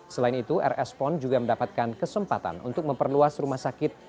selain itu rs pon juga mendapatkan kesempatan untuk memperluas rumah sakit